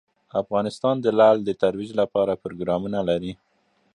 افغانستان د لعل د ترویج لپاره پروګرامونه لري.